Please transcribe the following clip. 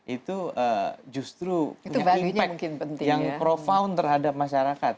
itu justru punya impact yang profun terhadap masyarakat